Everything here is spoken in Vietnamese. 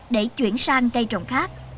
để chuyển sang cây trồng khác